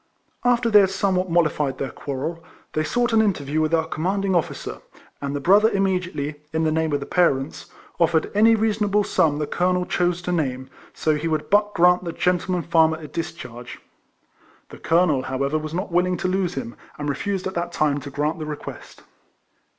After they had somewhat mollified their quarrel, they sought an interview with our commanding officer ; and the brother immediately, in the name of the parents, offered any reasonable sura the colonel chose G 122 EECOLLECTIONS OF to name, so he would but grant the gentle man farmer a discharge. The colonel, how ever, was not willing to lose him, and refused at that time to grant the request.